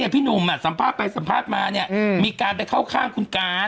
พี่หนุ่มสัมภาษณ์ไปสัมภาษณ์มาเนี่ยมีการไปเข้าข้างคุณการ